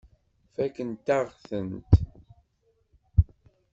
Fakkent-aɣ-tent.